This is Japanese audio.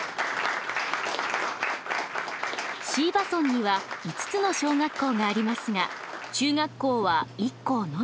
椎葉村には５つの小学校がありますが中学校は１校のみ。